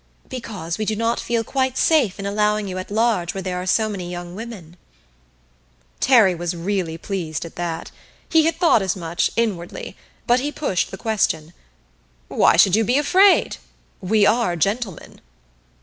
"Because we do not feel quite safe in allowing you at large where there are so many young women." Terry was really pleased at that. He had thought as much, inwardly; but he pushed the question. "Why should you be afraid? We are gentlemen."